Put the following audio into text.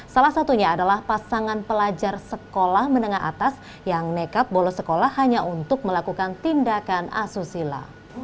salah satunya adalah pasangan pelajar sekolah menengah atas yang nekat bolos sekolah hanya untuk melakukan tindakan asusila